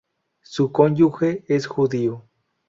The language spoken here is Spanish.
Su cónyuge es judío.